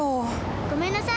ごめんなさい。